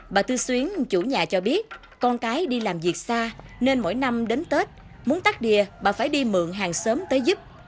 bà tư xuyến chủ nhà cho biết con cái đi làm việc xa nên mỗi năm đến tết muốn tắt đìa bà phải đi mượn hàng sớm tới giúp